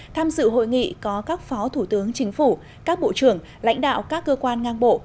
tham dự hội nghị có các phó thủ tướng chính phủ các bộ trưởng lãnh đạo các cơ quan ngang bộ